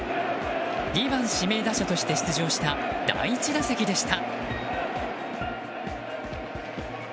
２番指名打者として出場した第１打席でした。